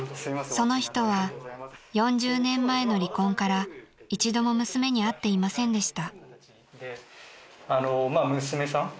［その人は４０年前の離婚から一度も娘に会っていませんでした］